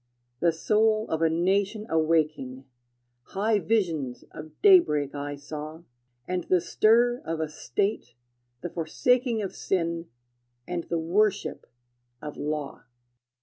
The soul of a nation awaking, High visions of daybreak I saw, And the stir of a state, the forsaking Of sin, and the worship of law.